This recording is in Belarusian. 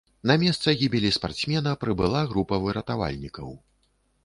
На месца гібелі спартсмена прыбыла група выратавальнікаў.